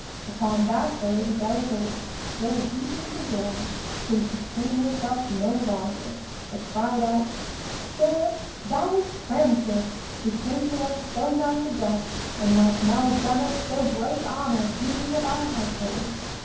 Upon that the Lady Belle Isoult, still weeping for joy, could contain herself no longer, but cried out: "Sir, that is Tramtris, who came to us so nigh to death and who hath now done us so great honor being of our household!